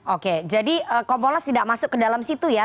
oke jadi kompolnas tidak masuk ke dalam situ ya